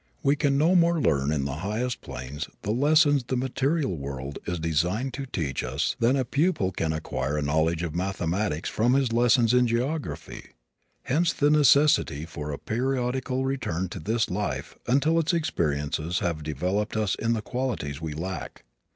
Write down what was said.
We can no more learn in the highest planes the lessons the material world is designed to teach us than a pupil can acquire a knowledge of mathematics from his lessons in geography. Hence the necessity for a periodical return to this life until its experiences have developed in us the qualities we lack.